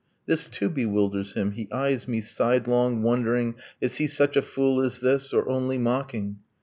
This too bewilders him. He eyes me sidelong Wondering 'Is he such a fool as this? Or only mocking?'